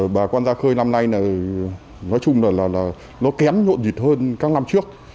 bà quan gia khơi năm nay nói chung là nó kém nhộn nhịt hơn các năm trước